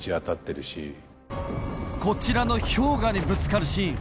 こちらの氷河にぶつかるシーン